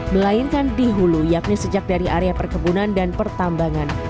melainkan di hulu yakni sejak dari area perkebunan dan pertambangan